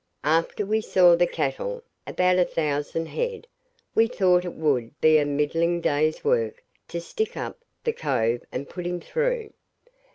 After we saw the cattle (about a thousand head) we thought it would be a middling day's work to 'stick up' the cove and put him through.